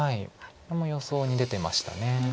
これも予想に出てました。